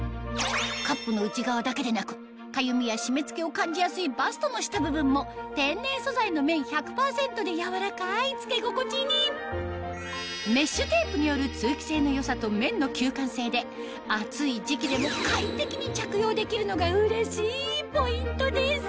カップの内側だけでなくかゆみや締め付けを感じやすいバストの下部分も天然素材の綿１００％で柔らかい着け心地にメッシュテープによる通気性の良さと綿の吸汗性で暑い時期でも快適に着用できるのがうれしいポイントです